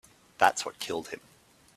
That's what killed him.